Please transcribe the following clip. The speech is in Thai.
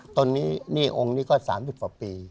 ตอนนี้หนี้องค์นี้ก็๓๐กว่าปี